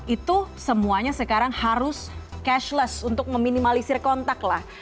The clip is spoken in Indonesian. itu semuanya sekarang harus cashless untuk meminimalisir kontak lah